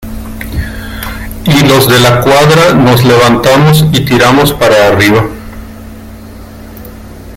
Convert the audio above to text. y los De la Cuadra nos levantamos y tiramos para arriba.